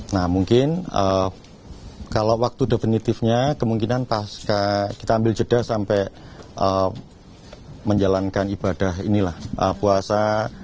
nah mungkin kalau waktu definitifnya kemungkinan pas kita ambil jeda sampai menjalankan ibadah inilah puasa